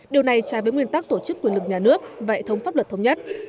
điều này trái với nguyên tắc tổ chức quyền lực nhà nước và hệ thống pháp luật thống nhất